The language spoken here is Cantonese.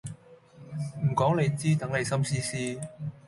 唔講你知，等你心思思